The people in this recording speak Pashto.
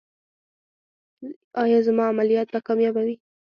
ایا زما عملیات به کامیابه وي؟